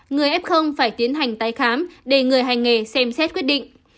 người f phải tiến hành tái khám để người hành nghề xem xét quyết định